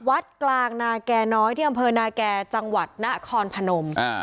วัดกลางนาแก่น้อยที่อำเภอนาแก่จังหวัดนครพนม